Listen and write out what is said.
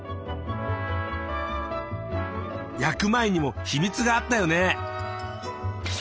焼く前にも秘密があったよね